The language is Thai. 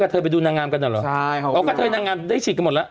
กระเทยนางงามได้ฉีดกันหมดละ